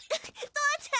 父ちゃん！